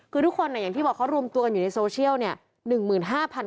คือทุกคนอย่างที่บอกเขารวมตัวกันอยู่ในโซเชียลเนี่ย